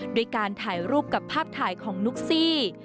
ด้วยการถ่ายรูปกับภาพถ่ายของนุ๊กซี่